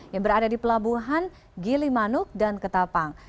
yang berada di pelabuhan gili manuk dan ketapang